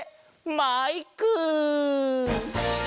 マイク！